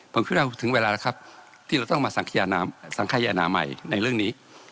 ผมคิดว่าถึงเวลาแล้วครับที่เราต้องมาสังขยานาใหม่ในเรื่องนี้